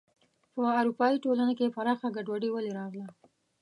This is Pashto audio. په اروپايي ټولنې کې پراخه ګډوډي ولې راغله.